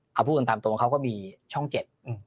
เอาผู้ตำตรงตามตรงเขาก็มีช่องเจ็ด